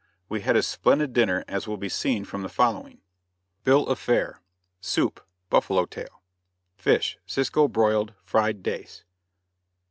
We had a splendid dinner as will be seen from the following: BILL OF FARE. SOUP. Buffalo Tail. FISH. Cisco broiled, fried Dace.